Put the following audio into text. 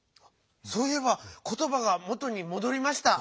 そういえばことばがもとにもどりました。